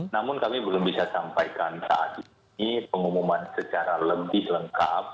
namun kami belum bisa sampaikan saat ini pengumuman secara lebih lengkap